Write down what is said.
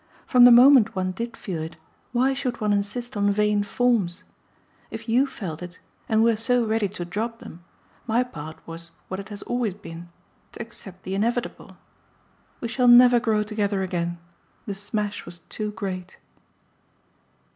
From the moment one did feel it why should one insist on vain forms? If YOU felt it, and were so ready to drop them, my part was what it has always been to accept the inevitable. We shall never grow together again. The smash was too great."